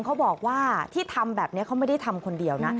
เขาบอกว่าที่ทำแบบนี้เขาไม่ได้ทำคนเดียวนะ